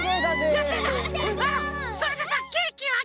それでさケーキは？